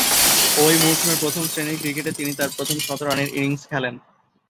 ঐ মৌসুমে প্রথম-শ্রেণীর ক্রিকেটে তিনি তার প্রথম শতরানের ইনিংস খেলেন।